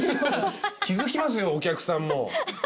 気付きますよお客さんも。